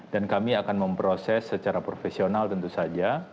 dan kami akan memproses secara profesional tentu saja